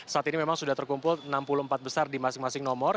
saat ini memang sudah terkumpul enam puluh empat besar di masing masing nomor